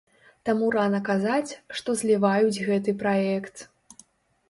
Таму рана казаць, што зліваюць гэты праект.